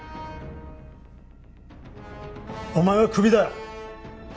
お前はクビだ！